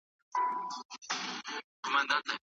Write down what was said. مشاهده د علمي کار پيل دی.